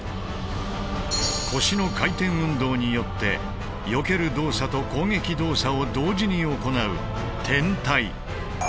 腰の回転運動によってよける動作と攻撃動作を同時に行う転体。